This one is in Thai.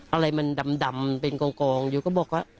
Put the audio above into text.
อะไรมันดำเป็นกองอยู่ก็บอกว่า